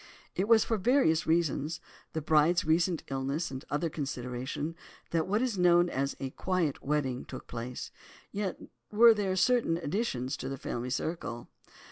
It was for various reasons, the bride's recent illness and other considerations, that what is known as "a quiet wedding" took place, yet were there certain additions to the family circle.